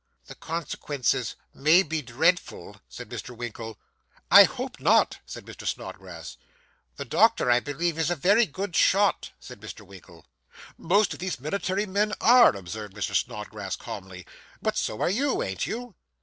'The consequences may be dreadful,' said Mr. Winkle. 'I hope not,' said Mr. Snodgrass. 'The doctor, I believe, is a very good shot,' said Mr. Winkle. 'Most of these military men are,' observed Mr. Snodgrass calmly; 'but so are you, ain't you?